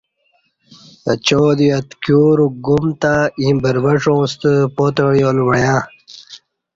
اچا دی اتیوروک گوم تہ ایں بروڄاں ستہ پاتع یال وعیاں۔